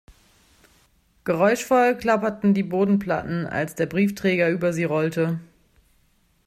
Geräuschvoll klapperten die Bodenplatten, als der Briefträger über sie rollte.